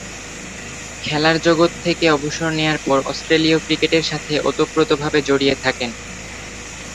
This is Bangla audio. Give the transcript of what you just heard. খেলার জগৎ থেকে অবসর নেয়ার পর অস্ট্রেলীয় ক্রিকেটের সাথে ওতপ্রোতভাবে জড়িত থাকেন।